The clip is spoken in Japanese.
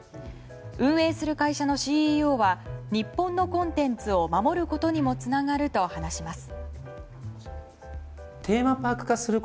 運営する会社のＣＥＯは日本のコンテンツを守ることにもつながると話します。